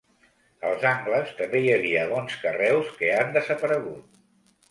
Als angles també hi havia bons carreus que han desaparegut.